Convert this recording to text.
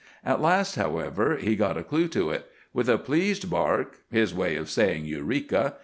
At last, however, he got a clue to it. With a pleased bark—his way of saying "Eureka!"